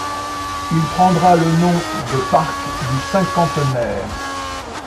Il prendra le nom de Parc du Cinquantenaire.